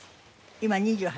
今２８？